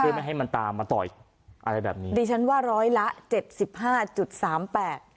เพื่อไม่ให้มันตามมาต่อยอะไรแบบนี้ดิฉันว่าร้อยละเจ็ดสิบห้าจุดสามแปด